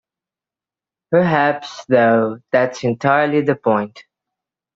Perhaps, though, that's entirely the point.